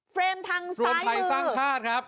เฟรมทางซ้ายมือรวมภัยสร้างคาดครับ